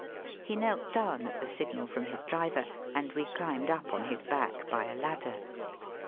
He knelt down at the signal from his driver, and we climbed up on his back by a ladder.